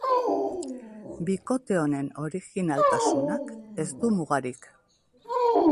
Bikote honen orijinaltasunak ez du mugarik.